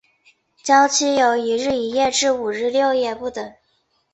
醮期由一日一夜至五日六夜不等。